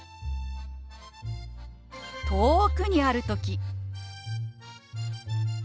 遠くにある時。